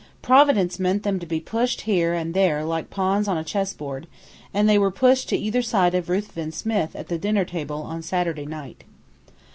Providence meant them to be pushed here and there like pawns on a chessboard; and they were pushed to either side of Ruthven Smith at the dinner table on Saturday night.